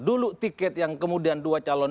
dulu tiket yang kemudian dua calon